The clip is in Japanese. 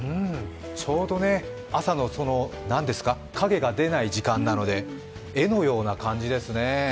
ちょうど朝の影が出ない時間なので絵のような感じですね。